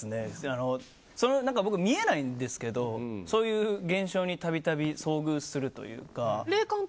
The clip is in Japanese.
僕、見えないんですけどそういう現象に度々遭遇するというか。